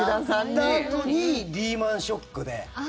やったあとにリーマン・ショックで。